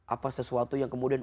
apa sesuatu yang kemudian